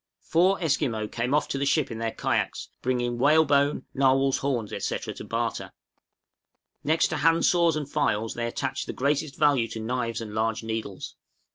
} Four Esquimaux came off to the ship in their kayaks, bringing whalebone, narwhals' horns, etc., to barter. Next to handsaws and files, they attached the greatest value to knives and large needles.